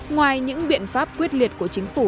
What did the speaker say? ngoài những biện pháp quyết liệt của chính phủ